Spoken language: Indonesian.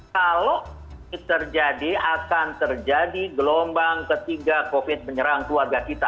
kalau ini terjadi akan terjadi gelombang ketiga covid menyerang keluarga kita